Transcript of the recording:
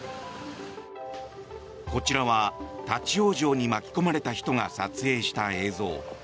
こちらは立ち往生に巻き込まれた人が撮影した映像。